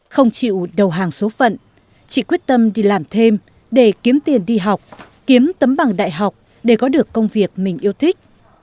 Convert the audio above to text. không chịu đầu hàng số phận chị quyết tâm đi làm thêm để kiếm tiền đi học kiếm tấm bằng đại học để có được công việc mình yêu thích